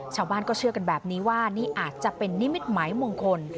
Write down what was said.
ชาวบ้านก็เชื่อกันแบบนี้ว่านี่อาจจะเป็นนิมิตหมายมงคล